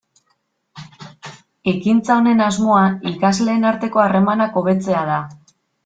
Ekintza honen asmoa ikasleen arteko harremanak hobetzea da.